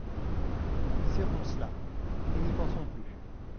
Serrons cela, et n'y pensons plus.